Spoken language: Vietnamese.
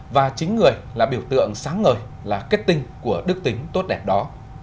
và chính người là biểu tượng sáng ngời là kết tinh của đức tính tốt đẹp đó